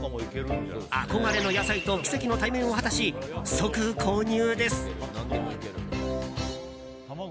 憧れの野菜と奇跡の対面を果たし即購入です。